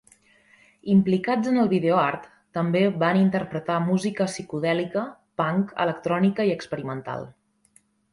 Implicats en el videoart, també van interpretar música psicodèlica, punk, electrònica i experimental.